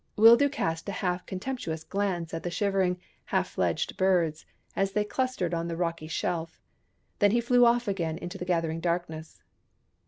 Wildoo cast a half contemptuous glance at the shivering, half fledged birds, as they clustered on the rocky shelf. Then he flew off again into the gathering darkness.